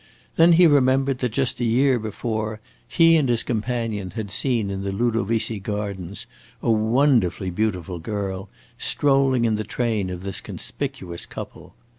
Then he remembered that just a year before he and his companion had seen in the Ludovisi gardens a wonderfully beautiful girl, strolling in the train of this conspicuous couple.